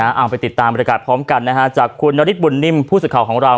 เอาไปติดตามบริการพร้อมกันนะฮะจากคุณนฤทธบุญนิ่มผู้สื่อข่าวของเรา